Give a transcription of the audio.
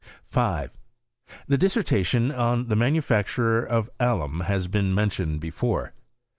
5. The dissertation on the manufacture of alum has been mentioned before.